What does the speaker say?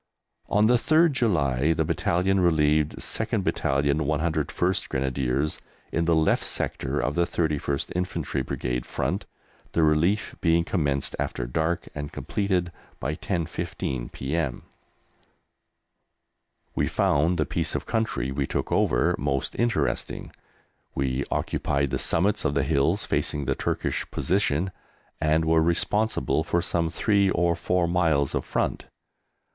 On the 3rd July the Battalion relieved 2/101 Grenadiers in the left sector of the 31st Infantry Brigade front, the relief being commenced after dark and completed by 10.15 p.m. We found the piece of country we took over most interesting. We occupied the summits of the hills facing the Turkish position, and were responsible for some three or four miles of front.